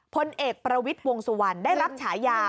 พลเอกปรวิสบรรทัยได้รับฉายา